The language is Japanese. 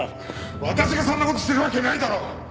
私がそんな事するわけないだろう！